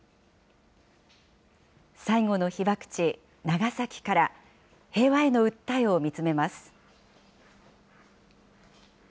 最後の被爆地、長崎から、平和への訴えを見つめます。